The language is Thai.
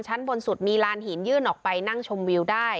บนสุดมีลานหินยื่นออกไปนั่งชมวิวได้